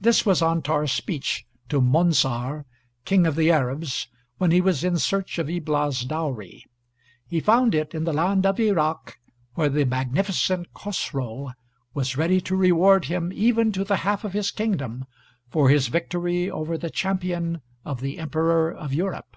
[This was Antar's speech to Monzar, King of the Arabs, when he was in search of Ibla's dowry. He found it in the land of Irak, where the magnificent Chosroe was ready to reward him even to the half of his kingdom, for his victory over the champion of the Emperor of Europe.